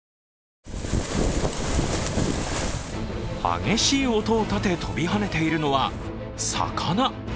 激しい音を立て飛びはねているのは魚。